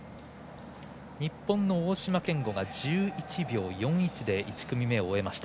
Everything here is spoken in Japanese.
日本の大島健吾が１１秒４１で１組目を終えました。